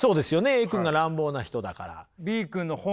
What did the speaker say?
Ａ君が乱暴な人だから。